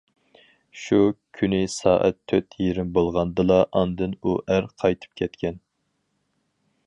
شۇ كۈنى سائەت تۆت يېرىم بولغاندىلا، ئاندىن ئۇ ئەر قايتىپ كەتكەن.